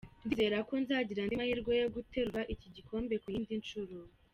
Ndizera ko nzagira andi mahirwe yo guterura iki gikombe ku yindi nshuro.